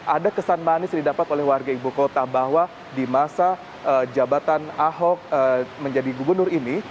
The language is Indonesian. ada kesan manis yang didapat oleh warga ibu kota bahwa di masa jabatan ahok menjadi gubernur ini